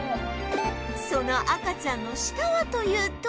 その赤ちゃんの舌はというと